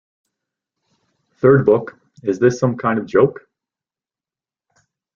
Third book, Is This Some Kind of joke?